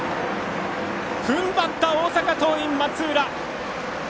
ふんばった大阪桐蔭、松浦。